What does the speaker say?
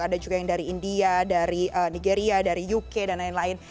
ada juga yang dari india dari nigeria dari uk dan lain lain